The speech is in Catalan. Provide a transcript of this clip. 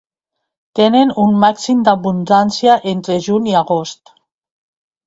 Tenen un màxim d'abundància entre juny i agost.